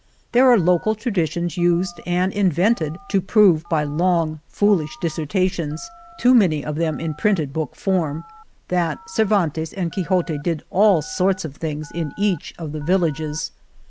There are local tradi tions used and invented to prove, by long foolish dissertations, tod many of them in printed book form, that Cervantes and Quix ote did all sorts of things in e^ch of the villages.